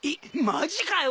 マジかよ？